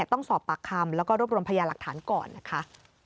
ต้องสอบปากคำแล้วก็รวบรวมพยาหลักฐานก่อนนะคะ